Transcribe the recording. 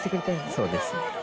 そうですね。